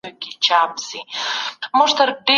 ځوان نسل د تېرو سياسي پېښو په اړه څېړنه کوي.